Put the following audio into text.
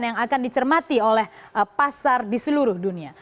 yang akan dicermati oleh pasar di seluruh dunia